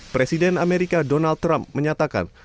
presiden amerika donald trump menyatakan